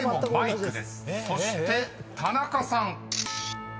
［そして田中さん］